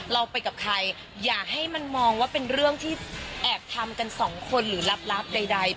เราไปกับใครอย่าให้มันมองว่าเป็นเรื่องที่แอบทำกันสองคนหรือลับใด